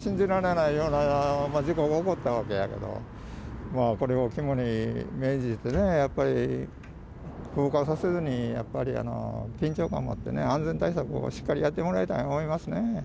信じられないような事故が起こったわけやけど、これを肝に銘じてね、やっぱり風化させずに、やっぱり緊張感を持ってね、安全対策をしっかりやってもらいたいと思いますね。